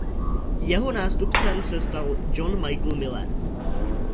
Jeho nástupcem se stal John Michael Miller.